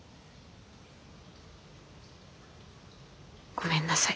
ごめんなさい。